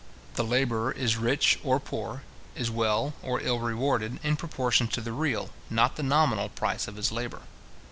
The labourer is rich or poor, is well or ill rewarded, in proportion to the real, not to the nominal price of his labour.